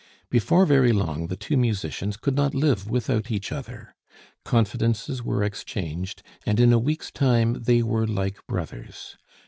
Before very long the two musicians could not live without each other. Confidences were exchanged, and in a week's time they were like brothers.